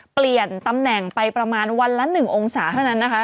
เปลี่ยนตำแหน่งไปประมาณวันละ๑องศาเท่านั้นนะคะ